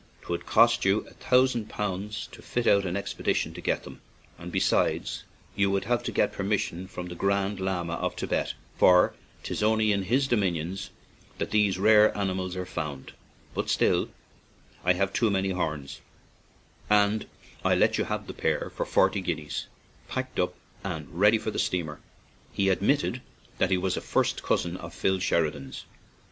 'Twould cost you a thousand pounds to fit out an expedition to get them, and besides you would have to get permission from the Grand Llama of Thibet, for 'tis only in his dominions that these rare ani mals are found; but still, I have too many horns, and I'll let you have the pair for forty guineas, packed up and ready for the steamer." He admitted that he was a first cousin of Phil Sheridan's.